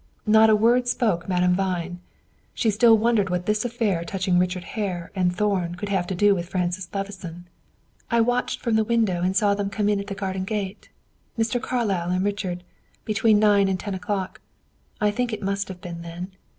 Not a word spoke Madame Vine. She still wondered what this affair touching Richard Hare and Thorn could have to do with Francis Levison. "I watched from the window and saw them come in at the garden gate Mr. Carlyle and Richard between nine and ten o'clock, I think it must have been then.